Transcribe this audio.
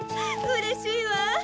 うれしいわ！